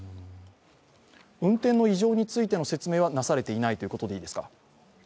運転の異常についての説明はなされていないということでいいですか。